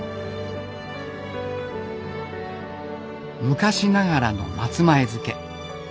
昔ながらの松前漬。